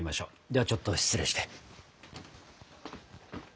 ではちょっと失礼して。